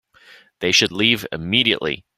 They should leave immediately.